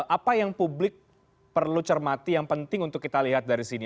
apa yang publik perlu cermati yang penting untuk kita lihat dari sini